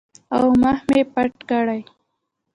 او مخ مې پټ کړي.